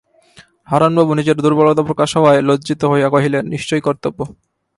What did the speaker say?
হারানবাবু নিজের দুর্বলতা প্রকাশ হওয়ায় লজ্জিত হইয়া কহিলেন, নিশ্চয়ই কর্তব্য।